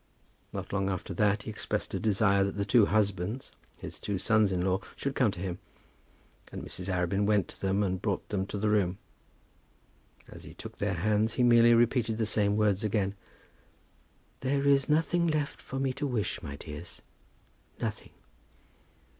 Not long after that he expressed a desire that the two husbands, his two sons in law, should come to him; and Mrs. Arabin went to them, and brought them to the room. As he took their hands he merely repeated the same words again. "There is nothing left for me to wish, my dears; nothing."